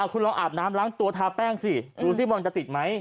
คุณลองอาบน้ำล้างตัวทาแป้งสิดูสิบอลจะติดไหม